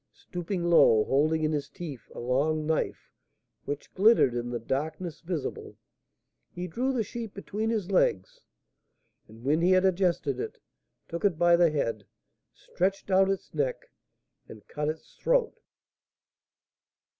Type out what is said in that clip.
Stooping low, holding in his teeth a long knife, which glittered in the "darkness visible," he drew the sheep between his legs, and, when he had adjusted it, took it by the head, stretched out its neck, and cut its throat.